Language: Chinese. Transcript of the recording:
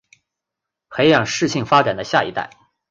培养适性发展的下一代